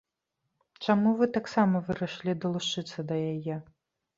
Чаму вы таксама вырашылі далучыцца да яе?